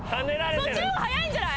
そっちのほうが早いんじゃない？